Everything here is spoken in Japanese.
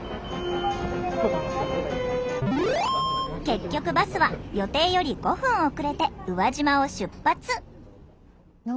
結局バスは予定より５分遅れて宇和島を出発。